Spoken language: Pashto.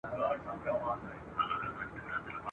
لکه دوې وني چي وباسي ښاخونه !.